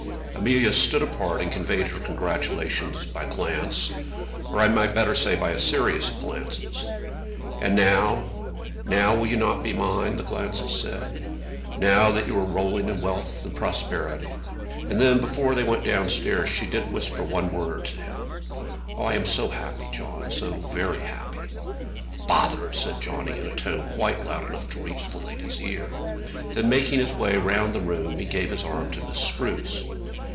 Amelia stood apart and conveyed her congratulations by a glance, or, I might better say, by a series of glances. "And now, now will you not be mine," the glances said; "now that you are rolling in wealth and prosperity?" And then before they went downstairs she did whisper one word to him. "Oh, I am so happy, John; so very happy." "Bother!" said Johnny, in a tone quite loud enough to reach the lady's ear. Then making his way round the room, he gave his arm to Miss Spruce.